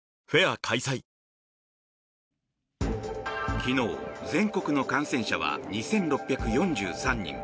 昨日、全国の感染者は２６４３人。